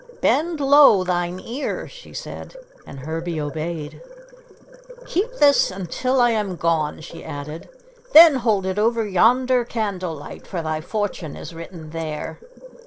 "Bend low thine ear," she said, and Herbie obeyed. "Keep this until I am gone," she added, "then hold it over yonder candle light, for thy fortune is written there."